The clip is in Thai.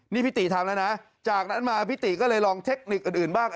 นี่พี่ติทำแล้วนะจากนั้นมาพี่ติก็เลยลองเทคนิคอื่นบ้าง